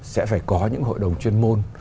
sẽ phải có những hội đồng chuyên môn